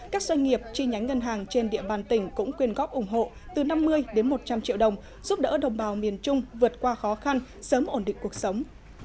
các doanh nghiệp chi nhánh ngân hàng trên địa bàn tỉnh cũng quyên góp ủng hộ từ năm mươi đến một trăm linh triệu đồng giúp đỡ đồng bào miền trung vượt qua khó khăn sớm ổn định cuộc sống